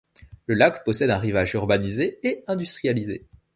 Le lac possède un rivage urbanisé et industrialisé.